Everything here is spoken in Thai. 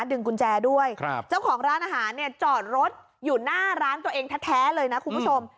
ดึงกุญแจด้วยครับเจ้าของร้านอาหารเนี่ยจอดรถอยู่หน้าร้านตัวเองแท้เลยนะคุณผู้ชม